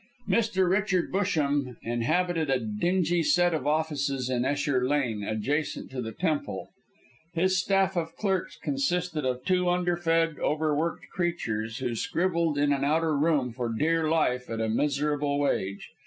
Mr. Richard Busham inhabited a dingy set of offices in Esher Lane, adjacent to the Temple. His staff of clerks consisted of two under fed, overworked creatures, who scribbled in an outer room for dear life at a miserable wage.